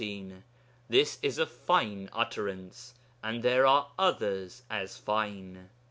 This is a fine utterance, and there are others as fine.